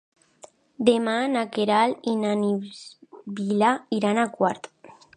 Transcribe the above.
Demà na Queralt i na Sibil·la iran a Quart.